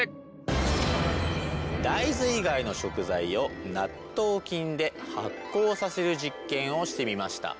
大豆以外の食材を納豆菌で発酵させる実験をしてみました。